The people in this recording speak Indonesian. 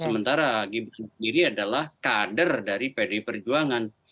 sementara gibran sendiri adalah kader dari pdi perjuangan